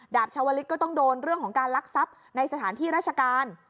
ชาวลิศก็ต้องโดนเรื่องของการลักทรัพย์ในสถานที่ราชการ